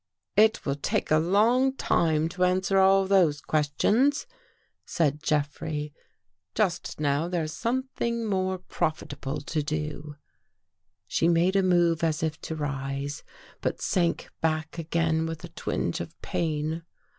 " It will take a long time to answer all those questions," said Jeffrey. " Just now there's some thing more profitable to do." 287 THE GHOST GIRL She made a move as if to rise, but sank back again with a little twinge of pain.